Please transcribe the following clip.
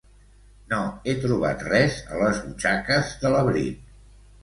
No he trobat res a les butxaques de l'abric.